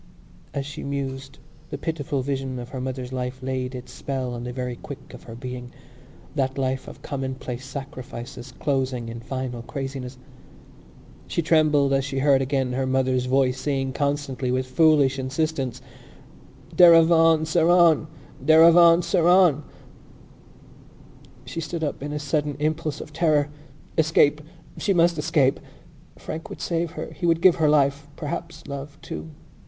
As she mused the pitiful vision of her mother's life laid its spell on the very quick of her being—that life of commonplace sacrifices closing in final craziness. She trembled as she heard again her mother's voice saying constantly with foolish insistence: "Derevaun Seraun! Derevaun Seraun!" She stood up in a sudden impulse of terror. Escape! She must escape! Frank would save her. He would give her life, perhaps love, too.